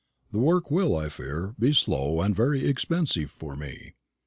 The work will, I fear, be slow, and very expensive for me.